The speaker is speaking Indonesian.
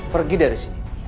pergi dari sini